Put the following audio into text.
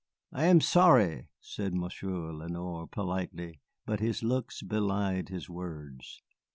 "I am sorry," said Monsieur Lenoir, politely, but his looks belied his words.